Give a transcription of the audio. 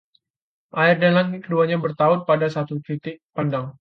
air dan langit keduanya bertaut pada satu titik pandang